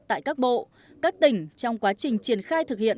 tại các bộ các tỉnh trong quá trình triển khai thực hiện